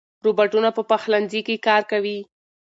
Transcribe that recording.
روباټونه په پخلنځي کې کار کوي.